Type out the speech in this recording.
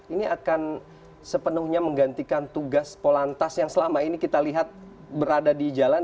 ini akan sepenuhnya menggantikan tugas polantas yang selama ini kita lihat berada di jalan